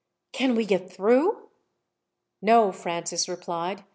"Can we get through?" "No," Francis replied.